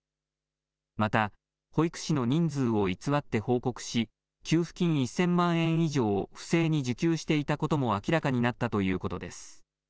また保育士の人数を偽って報告し給付金１０００万円以上を不正に受給していたことも明らかになったということです。